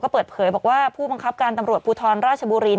เปิดเผยบอกว่าผู้บังคับการตำรวจภูทรราชบุรี